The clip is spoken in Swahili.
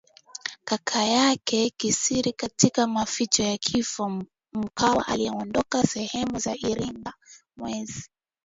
kaka yake kisiriKatika maficho na kifo Mkwawa alikuwa ameondoka sehemu za Iringa mwezi